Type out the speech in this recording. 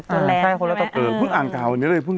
ออลายคุณระแบบ